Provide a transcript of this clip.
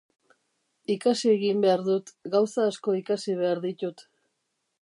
Ikasi egin behar dut. gauza asko ikasi behar ditut.